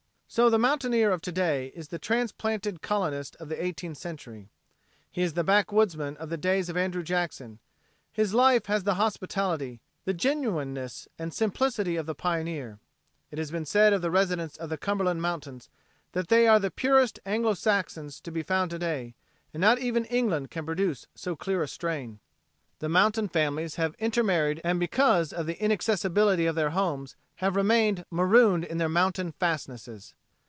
So the mountaineer of to day is the transplanted colonist of the eighteenth century; he is the backwoodsman of the days of Andrew Jackson; his life has the hospitality, the genuineness and simplicity of the pioneer. It has been said of the residents of the Cumberland Mountains that they are the purest Anglo Saxons to be found to day and not even England can produce so clear a strain. The mountain families have intermarried and because of the inaccessibility of their homes have remained marooned in their mountain fastnesses.